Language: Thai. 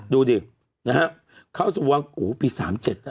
ดูดินะฮะเขาจะว่าอู๋ปี๓๗น่ะ